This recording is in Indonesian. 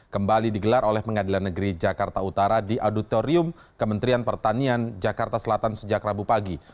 kembali digelar oleh pengadilan negeri jakarta utara di auditorium kementerian pertanian jakarta selatan sejak rabu pagi